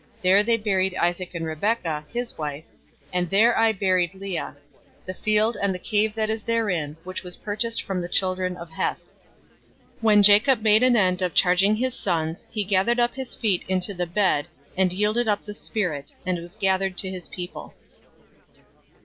There they buried Isaac and Rebekah, his wife, and there I buried Leah: 049:032 the field and the cave that is therein, which was purchased from the children of Heth." 049:033 When Jacob made an end of charging his sons, he gathered up his feet into the bed, and yielded up the spirit, and was gathered to his people.